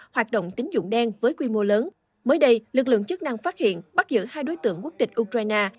hoạt động tính dụng đen với quy mô lớn mới đây lực lượng chức năng phát hiện bắt giữ hai đối tượng quốc tịch ukraine